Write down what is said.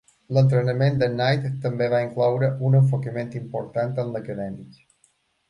L'entrenament de Knight també va incloure un enfocament important en l'acadèmic.